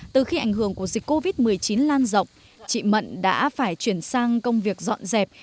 từ khi ảnh hưởng của dịch covid một mươi chín lan rộng chị mận đã phải chuyển sang công việc dọn dẹp